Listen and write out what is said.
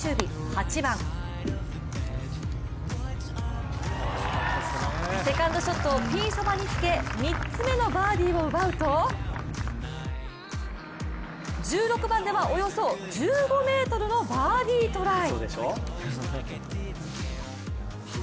８番セカンドショットをピンそばにつけ３つ目のバーディーを奪うと１６番ではおよそ１５ｍのバーディートライ。